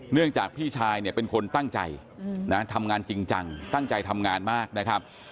จากพี่ชายเนี่ยเป็นคนตั้งใจนะทำงานจริงจังตั้งใจทำงานมากนะครับ